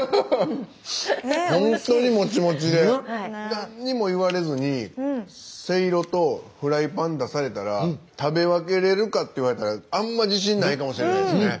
何にも言われずにせいろとフライパン出されたら食べ分けれるかって言われたらあんま自信ないかもしれないですね。